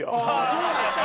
そうなんですか？